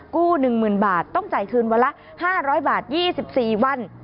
๑๐๐๐บาทต้องจ่ายคืนวันละ๕๐๐บาท๒๔วัน